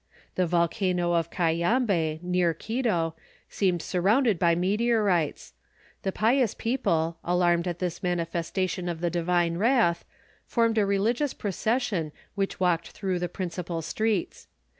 The volcano of Cayambe, near Quito, seemed surrounded by meteorites. The pious people, alarmed at this manifestation of the divine wrath, formed a religious procession which walked through the principal streets.